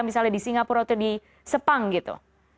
misalnya di singapura atau di sepang gitu